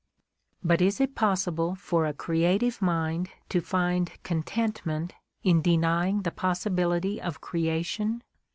J But is it possible for a creative mind to find "con tentment" in denying the possibility of creation?